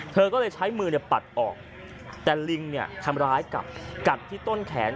เธอก็เลยใช้มือปัดออกแต่ลิงเนี่ยทำร้ายกัดที่ต้นแขน